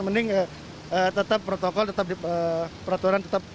mending tetap protokol tetap peraturan